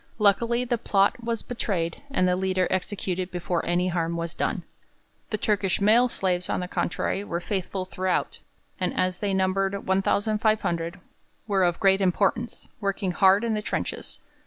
Luckily the plot was betrayed and the leader executed before any harm was done. The Turkish male slaves, on the contrary, were faithful throughout, and as they numbered 1,500 were of great importance, working hard in the trenches.